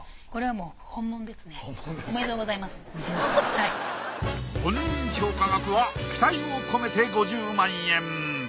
本人評価額は期待を込めて５０万円。